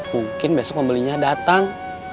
mungkin besok pembelinya datang